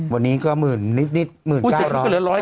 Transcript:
วันนี้ก็หมื่นนิดหมื่นเก้าร้อย